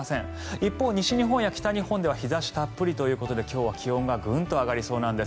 一方、西日本や北日本では日差したっぷりということで今日は気温がグンと上がりそうなんです。